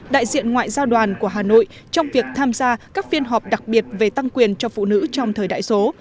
đại diện ngoại giao đoàn của hà nội trong việc tham gia các phiên họp đặc biệt về tăng quyền cho phụ nữ trong thời đại số